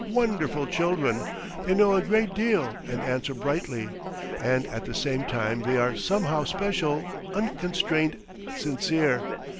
... Wonderful children! They know a great deal and answer brightly, and at the same time they are somehow special, unconstrained, sincere.